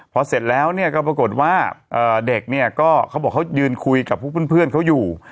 พอเสร็จแล้วเนี่ยก็ปรากฏว่าเด็กเนี่ยก็เขาบอกเขายืนคุยกับพวกเพื่อนเขาอยู่